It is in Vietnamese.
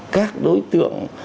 các đối tượng